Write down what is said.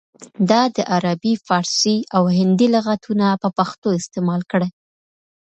ده د عربي، فارسي او هندي لغاتونه په پښتو استعمال کړل